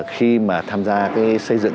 khi mà tham gia cái xây dựng